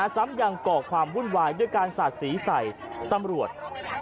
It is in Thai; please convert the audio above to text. ซ้ำยังก่อความวุ่นวายด้วยการสาดสีใส่ตำรวจ